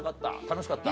楽しかった？